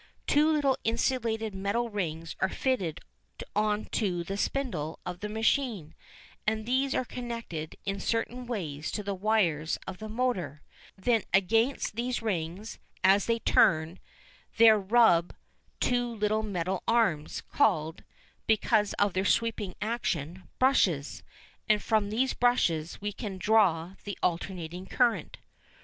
Two little insulated metal rings are fitted on to the spindle of the machine, and these are connected in certain ways to the wires of the motor; then against these rings, as they turn, there rub two little metal arms, called, because of their sweeping action, brushes; and from these brushes we can draw the alternating current.